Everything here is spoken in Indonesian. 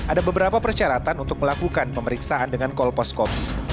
ada beberapa persyaratan untuk melakukan pemeriksaan dengan kolposcopy